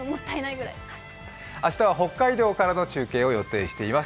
明日は北海道からの中継を予定しています。